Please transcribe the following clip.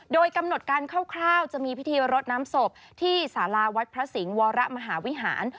โดยกำหนดการคร่าวจะมีพิธีรดน้ำศพที่สาราวัดพระสิงห์วรมหาวิหาร